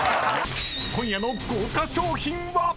［今夜の豪華賞品は⁉］